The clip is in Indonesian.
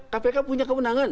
kpk punya kewenangan